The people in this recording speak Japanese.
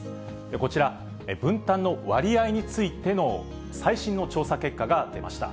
こちら、分担の割合についての最新の調査結果が出ました。